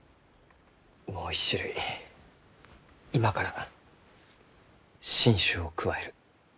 もう一種類今から新種を加える。